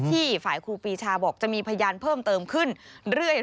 ฝ่ายครูปีชาบอกจะมีพยานเพิ่มเติมขึ้นเรื่อย